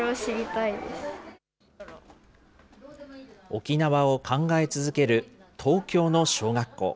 沖縄を考え続ける東京の小学校。